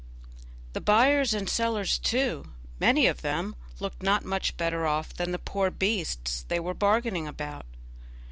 The buyers and sellers, too, many of them, looked not much better off than the poor beasts they were bargaining about.